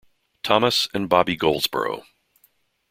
Thomas and Bobby Goldsboro.